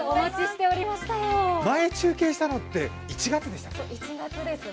前、中継したのって１月でしたっけ。